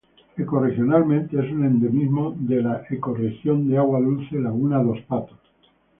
Ecorregionalmente es un endemismo de la ecorregión de agua dulce laguna dos Patos.